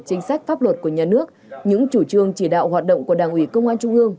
chính sách pháp luật của nhà nước những chủ trương chỉ đạo hoạt động của đảng ủy công an trung ương